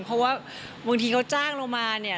เพราะว่าบางทีเขาจ้างเรามาเนี่ย